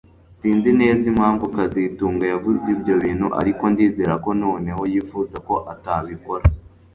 Sinzi neza impamvu kazitunga yavuze ibyo bintu ariko ndizera ko noneho yifuza ko atabikora